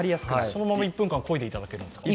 そのまま１分間こいでいただけるんですか。